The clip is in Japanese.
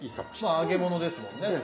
まあ揚げ物ですもんね。